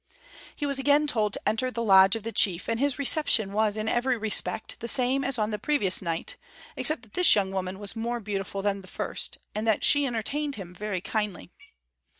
He was again told to enter the lodge of the chief, and his reception was in every respect the same as on the previous night; except that this young woman was more beautiful than the first, and that she entertained him very kindly.